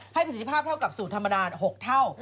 ประสิทธิภาพเท่ากับสูตรธรรมดา๖เท่า